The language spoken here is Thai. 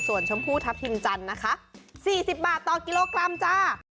ส่วนชมพูทัพทิมจันทร์นะคะ๔๐บาทต่อกิโลกรัมจ้า